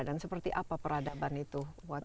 dan seperti apa peradaban itu